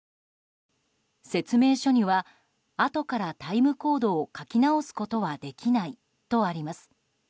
説明書にはあとからタイムコードを書き直すことはできないとあります。